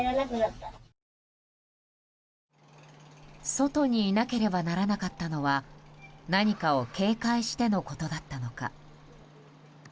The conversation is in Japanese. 外にいなければならなかったのは何かを警戒してのことだったのか。